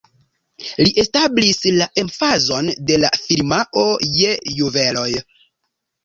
Li establis la emfazon de la firmao je juveloj.